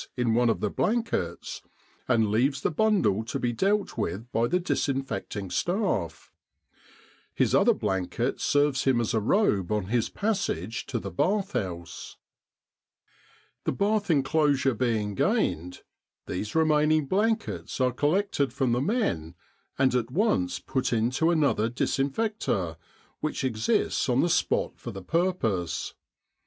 C. in Egypt one of his blankets, and leaves the bundle to be dealt with by the disinfecting staff. His other blanket serves him as a robe on his passage to the bath house. The bath enclosure being gained, these remain ing blankets are collected from the men and at once put into another disinfect or, which exists on the spot for the purpose.